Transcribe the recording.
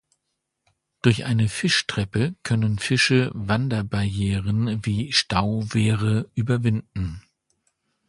Durch eine Fischtreppe können Fische Wanderbarrieren wie Stauwehre überwinden.